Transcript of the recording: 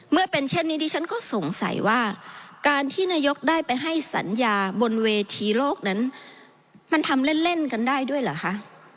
เมื่อเป็นเช่นนี้ดิฉันก็สงสัยว่าการที่นายกได้ไปให้สัญญาบนเวทีโลกนั้นมันทำเล่นเล่นกันได้ด้วยเหรอคะ